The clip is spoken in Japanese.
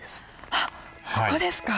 はっここですか。